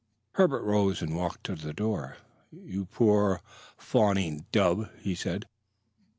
Herbert rose and walked to the door. "You poor, fawning dub!" he said.